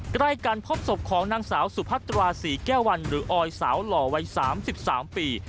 ใกล้กันพบศพของนางสาวสุพัตราศรีแก้ววันหรือออยสาวหล่อวัย๓๓ปี